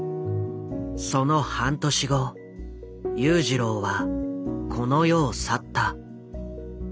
その半年後裕次郎はこの世を去った。